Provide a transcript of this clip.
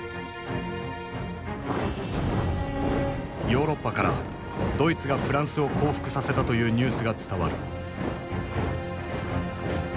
ヨーロッパからドイツがフランスを降伏させたというニュースが伝わる。